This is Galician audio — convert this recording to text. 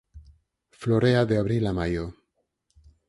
Florea de abril a maio.